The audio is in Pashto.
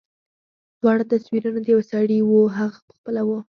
دواړه تصويرونه د يوه سړي وو هغه پخپله و.